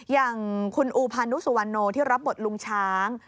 อย่างคุณอูพานุสุวรรณโนที่รับบทลุงช้าง